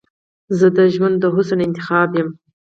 زه دژوند د حسن انتخاب یمه